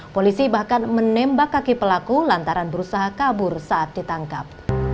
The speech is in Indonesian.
polisi bahkan menembak kaki pelaku lantaran berusaha kabur saat ditangkap